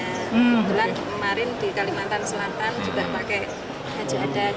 kebetulan kemarin di kalimantan selatan juga pakai baju adat